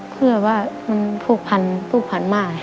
เพื่อว่ามันผูกพันผูกพันมา